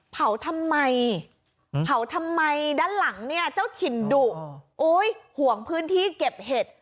เผาทำไมเผาทำไมด้านหลังเนี่ยเจ้าถิ่นดุโอ้ยห่วงพื้นที่เก็บเห็ด